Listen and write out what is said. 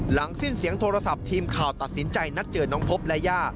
หลังสิ้นเสียงโทรศัพท์ทีมข่าวตัดสินใจนัดเจอน้องพบและย่า